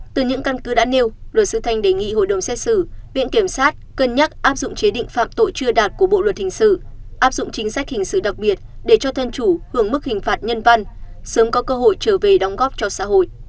từ những căn cứ đã nêu luật sư thanh đề nghị hội đồng xét xử viện kiểm sát cân nhắc áp dụng chế định phạm tội chưa đạt của bộ luật hình sự áp dụng chính sách hình sự đặc biệt để cho thân chủ hưởng mức hình phạt nhân văn sớm có cơ hội trở về đóng góp cho xã hội